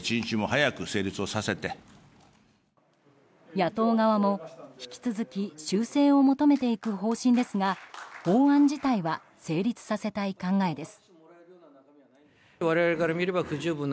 野党側も引き続き修正を求めていく方針ですが法案自体は成立させたい考えです。